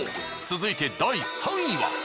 続いて第３位は。